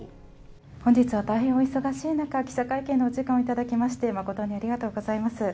本日は大変お忙しい中、記者会見のお時間をいただきまして、誠にありがとうございます。